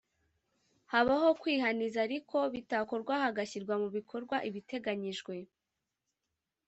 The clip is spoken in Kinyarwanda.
Habaho kwihaniza ariko bitakorwa hagashyirwa mu bikorwa ibiteganyijwe